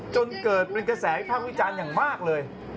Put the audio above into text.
จนเกิดเป็นกระแสวิภาพวิจารณ์อย่างมากเลย